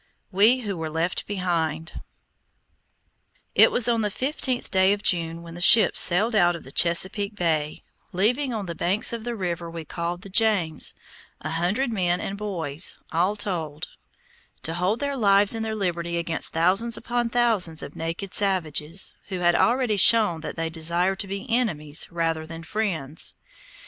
WE WHO WERE LEFT BEHIND It was on the fifteenth day of June when the ships sailed out of the Chesapeake Bay, leaving on the banks of the river we called the James, a hundred men and boys, all told, to hold their lives and their liberty against thousands upon thousands of naked savages, who had already shown that they desired to be enemies rather than friends.